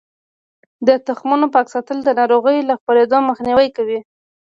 د تخمونو پاک ساتل د ناروغیو له خپریدو مخنیوی کوي.